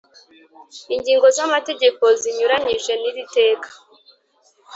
ingingo z amategeko zinyuranyije n iri teka